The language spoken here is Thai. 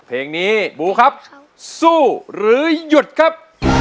เพลงนี้บูครับสู้หรือหยุดครับ